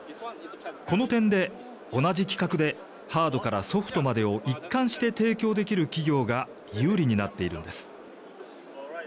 この点で、同じ規格でハードからソフトまでを一貫して提供できる企業が有利になっているんです。